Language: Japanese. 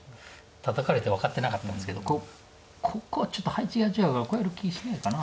タタかれて分かってなかったんですけどここはちょっと配置が違うからこうやる気しないかな。